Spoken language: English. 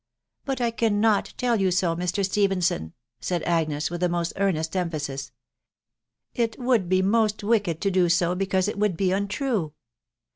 " But I cannot tell you so, Mr. Stephenson," said Agnes with the most earnest emphasis. " It would be most wicked to do so because it would be untrue.